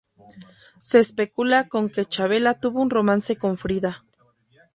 Se especula con que Chavela tuvo un romance con Frida.